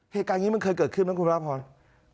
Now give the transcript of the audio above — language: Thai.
เหตุการณ์อย่างนี้มันเคยเกิดขึ้นหรือเปล่าคุณพระอาทิตย์